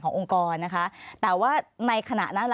ขอบคุณครับ